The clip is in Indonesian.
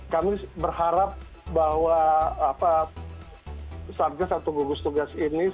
kami berharap bahwa satgas atau gugus tugas ini